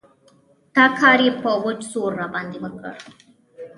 دا کار يې په وچ زور راباندې وکړ.